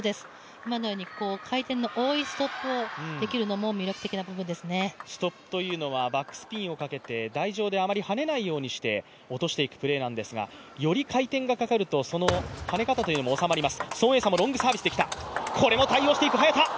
今のように回転を使うのもストップというのはバックスピンをかけて台上であまりはねないようにして落としていくプレーなんですが、より回転がかかるとそのはね方というのも収まります。